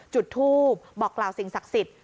จุดทูปบอกกล่าวสิ่งศักดิ์สิทธิ